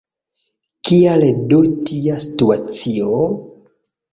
Kial do tia situacio?